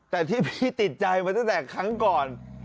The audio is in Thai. แต่ที่พี่ติดใจมาตั้งแต่ครั้งก่อน